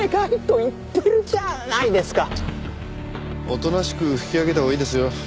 おとなしく引き揚げたほうがいいですよ。